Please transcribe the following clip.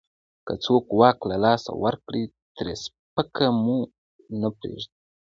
که څوک واک له لاسه ورکړي، ترې سپکه مو نه پرېږدو.